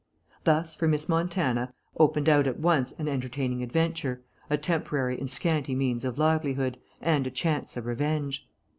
Thus, for Miss Montana, opened out at once an entertaining adventure, a temporary and scanty means of livelihood, and a chance of revenge.